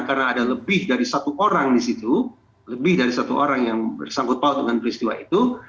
karena ada lebih dari satu orang di situ lebih dari satu orang yang bersangkutan dengan peristiwa itu